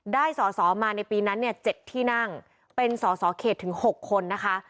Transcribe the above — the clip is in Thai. ได้สอสอมาในปีนั้นเนี่ย๗ที่นั่งเป็นสอสอเขตถึง๖คนนะคะ